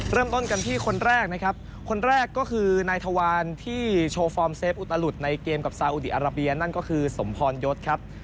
เริ่มต้นกันที่คนแรกนะครับคนแรกก็คือนายทวารที่โชว์ฟอร์มเซฟอุตลุดในเกมกับซาอุดีอาราเบียนั่นก็คือสมพรยศครับ